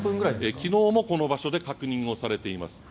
昨日もこの場所で確認されています。